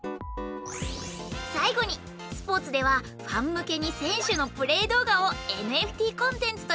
最後にスポーツではファン向けに選手のプレー動画をＮＦＴコンテンツとして販売！